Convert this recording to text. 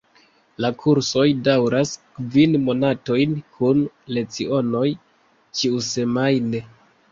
La kursoj daŭras kvin monatojn kun lecionoj ĉiusemajne.